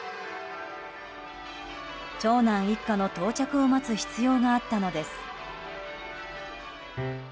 長男一家の到着を待つ必要があったのです。